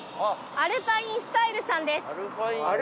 アルパインスタイルさん。